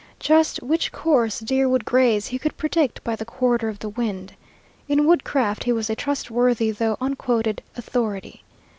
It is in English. Just which course deer would graze he could predict by the quarter of the wind. In woodcraft he was a trustworthy though unquoted authority.